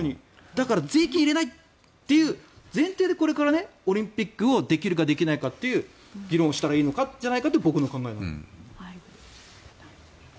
だから税金を入れないという前提でこれからオリンピックをできるかできないかという議論をしたらいいんじゃないかっていう僕の考えなの。